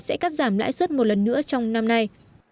sẽ cắt giảm lãi suất một lần nữa trong năm nay